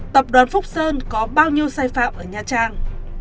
tập đoàn phúc sơn có bao nhiêu sai phạm ở nha trang